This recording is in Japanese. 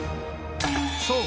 そう！